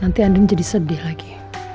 nanti andien jadi sedih lagi